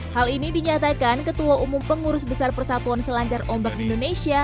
hal ini dinyatakan ketua umum pengurus besar persatuan selancar ombak indonesia